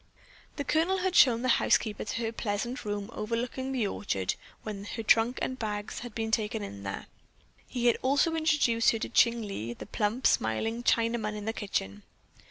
The Colonel had shown the housekeeper to her pleasant room overlooking the orchard when her trunk and bags had been taken there; he had also introduced her to Ching Lee, the plump, smiling Chinaman in the kitchen.